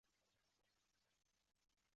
曾祖父周余庆。